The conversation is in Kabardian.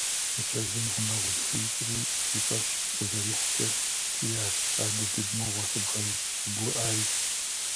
Мыщэжьым гъунэгъу зыхуищӏри и фӏэщ къызэрихькӏэ кӏиящ: «Адыдыд мыгъуэ сыбгъэгуӏай».